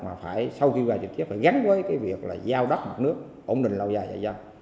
chúng ta phải gắn với việc giao đất mặt nước ổn định lâu dài cho dân